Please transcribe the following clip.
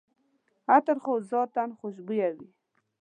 عطر خو ذاتاً خوشبویه وي.